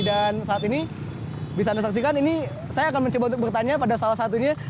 dan saat ini bisa anda saksikan ini saya akan mencoba untuk bertanya pada salah satunya